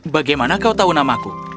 bagaimana kau tahu nama aku